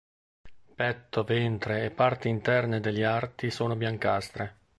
Petto, ventre e parti interne degli arti sono biancastre.